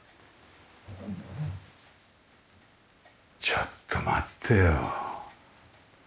ちょっと待ってよ。